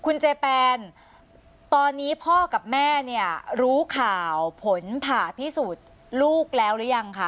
คุณเจแปนตอนนี้พ่อกับแม่เนี่ยรู้ข่าวผลผ่าพิสูจน์ลูกแล้วหรือยังคะ